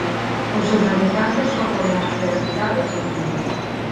Os seus habitantes só poden acceder á cidade por un medio